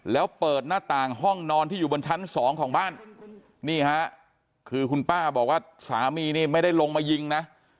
แล้วเปิดหน้าต่างห้องนอนที่อยู่บนชั้นสองของบ้านนี่ฮะคือคุณป้าบอกว่าสามีนี่ไม่ได้ลงมายิงนะ